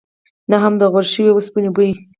نه هم د غوړ شوي اوسپنې بوی.